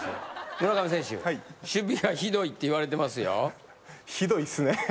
村上選手守備がひどいって言われてますよ。